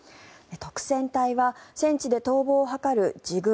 督戦隊は戦地で逃亡を図る自軍